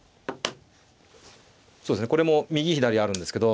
そうですねこれも右左あるんですけど。